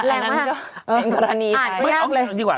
อ๋ออันนั้นก็เป็นกรณีไทย